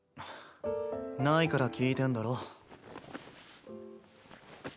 ないから聞いてんだろ。